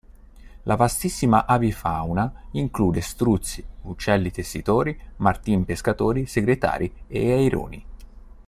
La vastissima avifauna include struzzi, uccelli tessitori, martin pescatori, segretari e aironi.